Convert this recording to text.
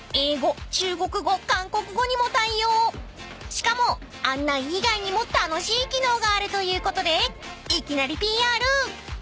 ［しかも案内以外にも楽しい機能があるということで］